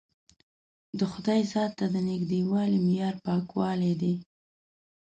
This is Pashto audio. د خدای ذات ته د نژدېوالي معیار پاکوالی دی.